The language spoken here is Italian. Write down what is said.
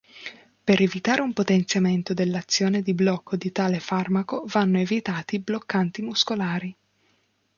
Per evitare un potenziamento dell'azione di blocco di tale farmaco vanno evitati bloccanti muscolari.